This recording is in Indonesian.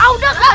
ah udah kak